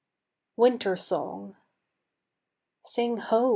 WINTER SONG. Sing ho!